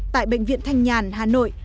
tại bệnh viện thanh nhàn hà nội